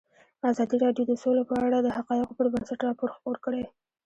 ازادي راډیو د سوله په اړه د حقایقو پر بنسټ راپور خپور کړی.